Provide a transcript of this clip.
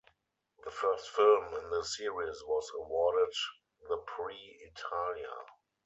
The first film in the series was awarded the Prix Italia.